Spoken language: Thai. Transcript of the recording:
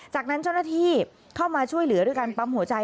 จากนั้นเจ้าหน้าที่เข้ามาช่วยเหลือด้วยการปั๊มหัวใจ